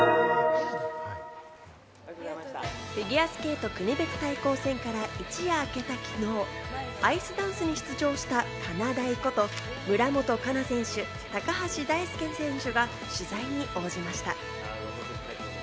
フィギュアスケート国別対抗戦から一夜明けた昨日、アイスダンスに出場した、かなだいこと村元哉中選手、高橋大輔選手が取材に応じました。